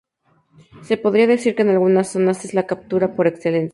Se podría decir que en algunas zonas es la captura por excelencia.